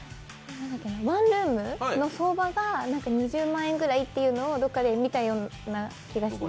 ワンルームの相場が２０万円ぐらいというのをどこかで見たような気がして。